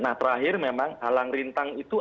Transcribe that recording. nah terakhir memang halang rintang itu